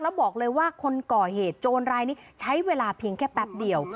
แล้วบอกเลยว่าคนก่อเหตุโจรรายนี้ใช้เวลาเพียงแค่แป๊บเดียว